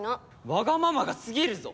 わがままがすぎるぞ！